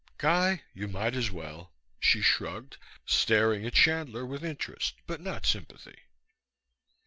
"Guy, you might as well," she shrugged, staring at Chandler with interest but not sympathy.